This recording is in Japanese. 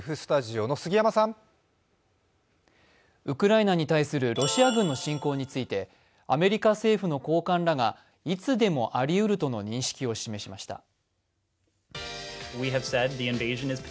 ウクライナに対するロシア軍の侵攻についてアメリカ政府の高官らがいつでもありうるとの認識を示しました。